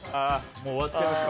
もう終わっちゃいました。